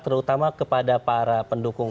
terutama kepada para pendukung